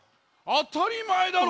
あたりまえだろ。